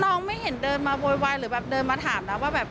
ไม่เห็นเดินมาโวยวายหรือแบบเดินมาถามนะว่าแบบ